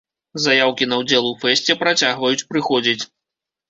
Заяўкі на ўдзел у фэсце працягваюць прыходзіць.